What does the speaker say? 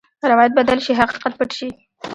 روایت بدل شي، حقیقت پټ شي.